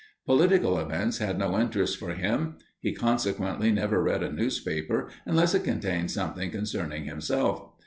Political events had no interest for him; he consequently never read a newspaper unless it contained something concerning himself.